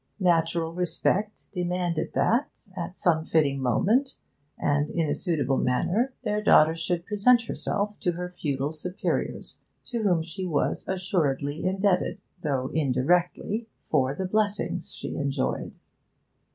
Natural respect demanded that, at some fitting moment, and in a suitable manner, their daughter should present herself to her feudal superiors, to whom she was assuredly indebted, though indirectly, for 'the blessings she enjoyed.'